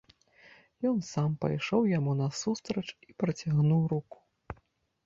Ён сам пайшоў яму насустрач і працягнуў руку.